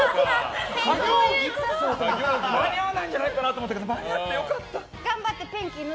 間に合わないんじゃないかと思ったけど間に合って良かった。